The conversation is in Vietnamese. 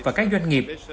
và các doanh nghiệp